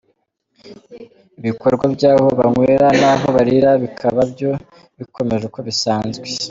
Ibikorwa by’aho banywera n’aho barira bikaba byo bikomeje uko bisanzwe.